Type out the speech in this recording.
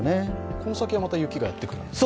この先はまた雪がやってくるんですか？